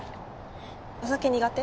お酒苦手？